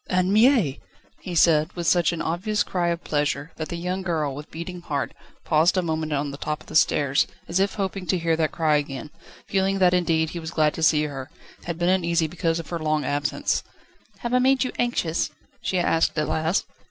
"Anne Mie!" he said, with such an obvious cry of pleasure, that the young girl, with beating heart, paused a moment on the top of the stairs, as if hoping to hear that cry again, feeling that indeed he was glad to see her, had been uneasy because of her long absence. "Have I made you anxious?" she asked at last.